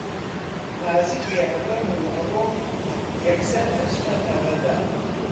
نازکێ ئەبەم و ئەڕۆم یەکسەر ئەچمە نەغەدە